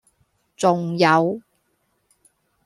仲有